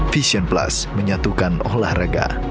vision plus menyatukan olahraga